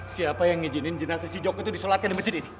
siapa yang mengizinin jenazah si jok itu disolatkan di masjid ini